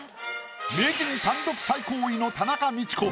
名人単独最高位の田中道子。